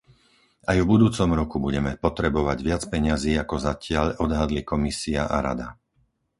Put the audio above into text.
Aj v budúcom roku budeme potrebovať viac peňazí ako zatiaľ odhadli Komisia a Rada.